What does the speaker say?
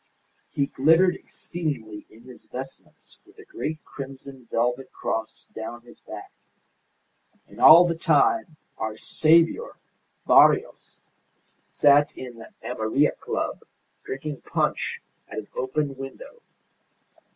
He glittered exceedingly in his vestments with a great crimson velvet cross down his back. And all the time our saviour Barrios sat in the Amarilla Club drinking punch at an open window.